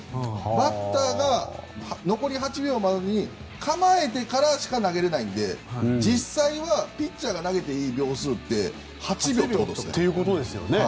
バッターが残り８秒までに構えてからしか投げられないので実際はピッチャーが投げていい秒数でということですよね。